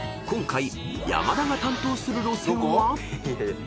［今回山田が担当する路線は］